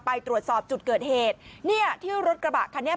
ไปตรวจสอบจุดเกิดเหตุเนี่ยที่รถกระบะคันนี้